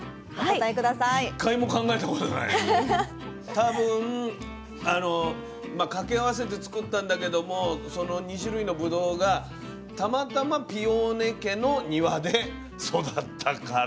多分掛け合わせて作ったんだけどもその２種類のぶどうがたまたまピオーネ家の庭で育ったから。